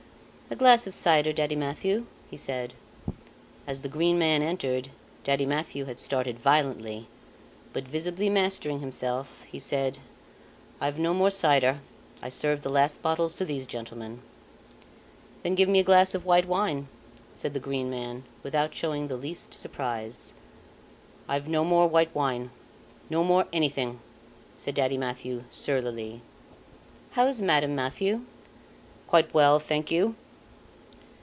"A glass of cider, Daddy Mathieu," he said. As the Green Man entered, Daddy Mathieu had started violently; but visibly mastering himself he said: "I've no more cider; I served the last bottles to these gentlemen." "Then give me a glass of white wine," said the Green Man, without showing the least surprise. "I've no more white wine no more anything," said Daddy Mathieu, surlily. "How is Madame Mathieu?" "Quite well, thank you."